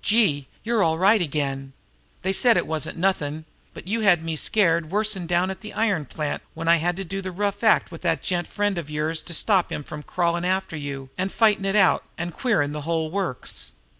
"Gee, you're all right again! They said it wasn't nothin', but you had me scared worse'n down at the iron plant when I had to do the rough act with that gent friend of yours to stop him from crawlin' after you and fightin' it out, and queerin' the whole works.